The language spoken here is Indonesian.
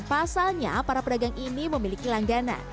pasalnya para pedagang ini memiliki langganan